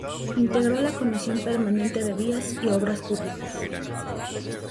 Integró la comisión permanente de Vías y Obras Públicas.